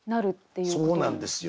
そうなんですよ。